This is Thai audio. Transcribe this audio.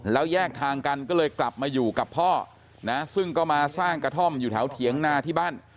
แล้วแยกทางกันก็เลยกลับมาอยู่กับพ่อนะซึ่งก็มาสร้างกระท่อมอยู่แถวเถียงนาที่บ้าน